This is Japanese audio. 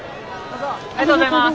ありがとうございます。